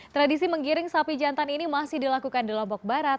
tradisi menggiring sapi jantan ini masih dilakukan di lombok barat